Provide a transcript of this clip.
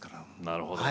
なるほど。